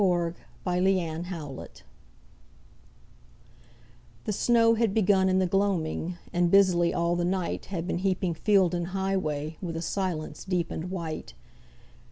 60 THE FIRST SNOW FALL The snow had begun in the gloaming, And busily all the night Had been heaping field and highway With a silence deep and white.